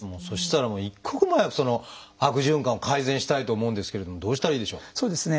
そしたら一刻も早くその悪循環を改善したいと思うんですけれどもどうしたらいいでしょう？